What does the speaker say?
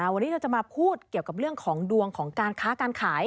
วันนี้เราจะมาพูดเกี่ยวกับเรื่องของดวงของการค้าการขาย